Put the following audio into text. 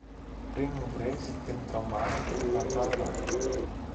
πριν βρεις την Τρομάρα και την Αντάρα.